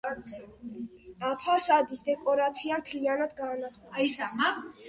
ფასადის დეკორაცია მთლიანად გაანადგურეს.